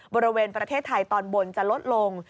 บริเวณประเทศไทยตอนบนจะลดลง